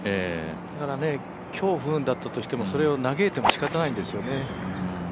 だから今日、不運だったとしても、それを嘆いてもしかたないんですよね。